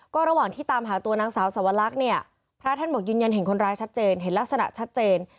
ก็ระหว่างที่ตามหาตัวนางสาวสวรรคเนี่ยพระท่านบอกยืนยันเห็นคนร้ายชัดเจนเห็นลักษณะชัดเจน